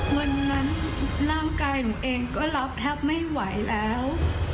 วันนั้นร่างกายหนูเองก็รับแทบไม่ไหวแล้ว